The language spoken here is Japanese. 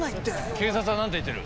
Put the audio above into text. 警察は何と言ってる？